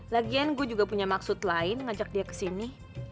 lagian gua juga punya maksud lain ngajak dia kesini